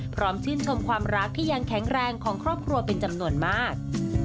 พร้อมชื่นชมความรักที่ยังแข็งแรงของครอบครัวเป็นจำนวนมาก